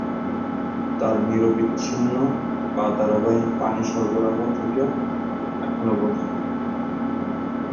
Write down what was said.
তার নিরবচ্ছিন্ন বা ধারাবাহিক পানি সরবরাহ থেকে এখনও বঞ্চিত।